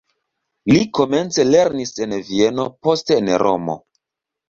Li komence lernis en Vieno, poste en Romo.